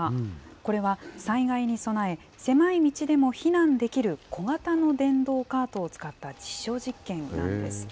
これは災害に備え、狭い道でも避難できる小型の電動カートを使った実証実験なんです。